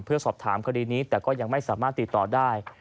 เพื่อสอบถามคดีนี้แต่ก็ยังไม่สามารถติดต่อได้